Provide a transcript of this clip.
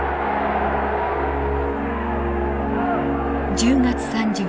１０月３０日。